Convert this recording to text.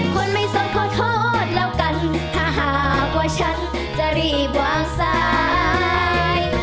คนไม่สนขอโทษแล้วกันถ้าหากว่าฉันจะรีบวางสาย